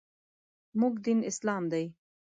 موږ دین اسلام دی .